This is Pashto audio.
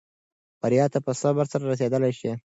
بریا ته په صبر سره رسېدلای شې.